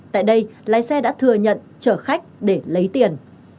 tại đây lái xe đã thừa nhận chở khách để lấy tiền